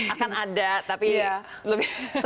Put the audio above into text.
akan ada tapi lebih